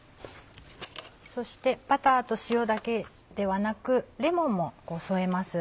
そしてバターと塩だけではなくレモンも添えます。